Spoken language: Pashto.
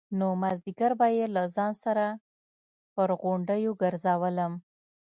نو مازديگر به يې له ځان سره پر غونډيو گرځولم.